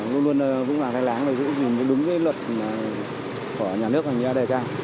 luôn luôn vững vàng tay láng để giữ gìn đúng cái luật của nhà nước hành giá đề trang